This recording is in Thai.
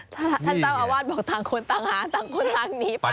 ท่านเจ้าอาวาสบอกต่างคนต่างหาต่างคนต่างหนีไป